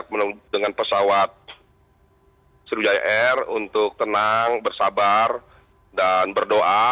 yang tiap menunggu dengan pesawat sriwijaya air untuk tenang bersabar dan berdoa